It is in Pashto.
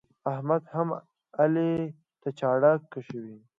احمد هم علي ته چاړه کښوي.